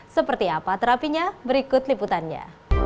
seperti apa terapinya berikut liputannya